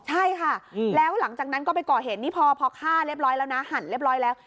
ใช่ค่ะแล้วหลังจากนั้นก็ไปก่อเหตุนี่พอฆ่าเรียบร้อยแล้วนะหั่นเรียบร้อยแล้ว